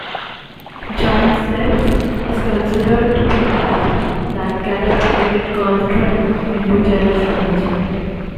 "Giant Steps" is considered to be the album that catapulted Coltrane into jazz legend.